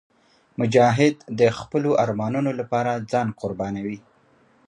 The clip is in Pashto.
مجاهد د خپلو ارمانونو لپاره ځان قربانوي.